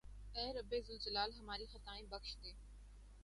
اے رب ذوالجلال ھماری خطائیں بخش دے